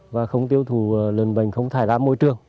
và không tiêu thù lần bệnh không thải đá môi trường